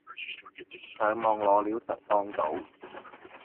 上網攞料實幫到